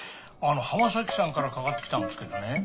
浜崎さんからかかってきたんですけどね。